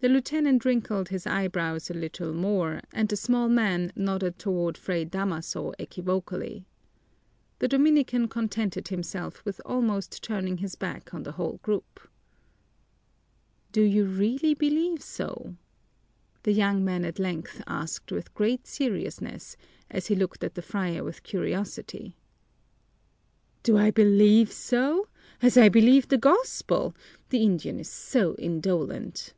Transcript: The lieutenant wrinkled his eyebrows a little more and the small man nodded toward Fray Damaso equivocally. The Dominican contented himself with almost turning his back on the whole group. "Do you really believe so?" the young man at length asked with great seriousness, as he looked at the friar with curiosity. "Do I believe so? As I believe the Gospel! The Indian is so indolent!"